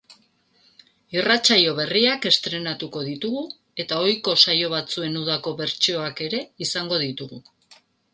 Irratsaio berriak estreinatuko ditugu eta ohiko saio batzuen udako bertsioak ere izango ditugu.